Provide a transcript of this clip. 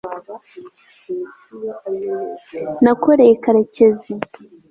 nakoreye karekezi